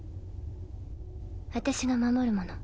私が守るもの。